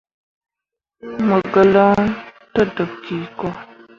Mo gǝlaŋ to deb ki ko.